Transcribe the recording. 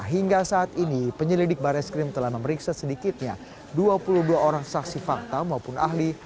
hingga saat ini penyelidik barreskrim telah memeriksa sedikitnya dua puluh dua orang saksi fakta maupun ahli